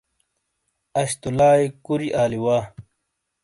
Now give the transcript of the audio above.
اش تو لائی کُوری آلی وا ۔